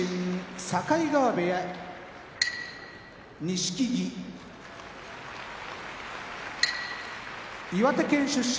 境川部屋錦木岩手県出身